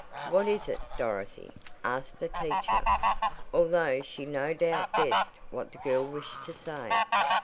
"What is it Dorothy?" asked the teacher, although she no doubt guessed what the girl wished to say.